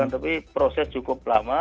tapi proses cukup lama